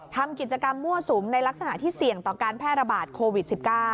ทำกิจกรรมมั่วสุมในลักษณะที่เสี่ยงต่อการแพร่ระบาดโควิด๑๙